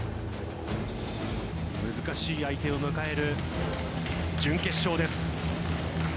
難しい相手を迎える準決勝です。